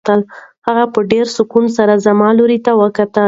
هغې په ډېر سکون سره زما لوري ته وکتل.